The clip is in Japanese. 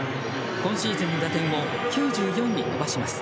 今シーズンの打点を９４に伸ばします。